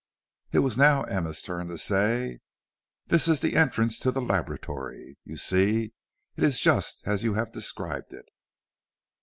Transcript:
It was now Emma's turn to say: "This is the entrance to the laboratory. You see it is just as you have described it."